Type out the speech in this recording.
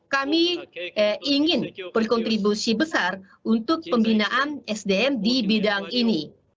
kami ingin berkontribusi besar untuk pembinaan sdm di bidang ini